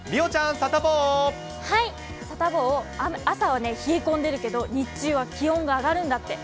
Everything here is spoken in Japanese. サタボー、朝は冷え込んでいるけれども、日中は気温が上がるんだって。